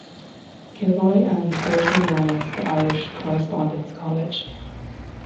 Kilroy and originally known as the 'Irish Correspondence College'.